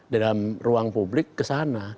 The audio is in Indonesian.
dalam ruang publik kesana